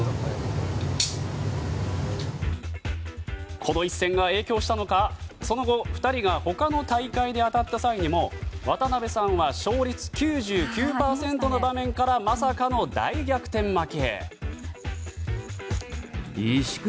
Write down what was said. この一戦が影響したのかその後、２人が他の大会で当たった際にも渡辺さんは勝率９９％の場面からまさかの大逆転負け。